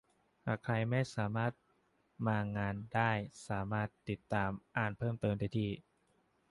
หากใครไม่สามารถมางานได้สามารถติดตามอ่านเพิ่มเติมได้ที่